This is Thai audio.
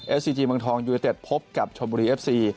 เอฟซีจีบังทองยุยเตศพบกับชมบุรีเอฟซี